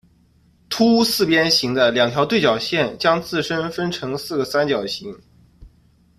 凸四边形的两条对角线将自身分成四个三角形。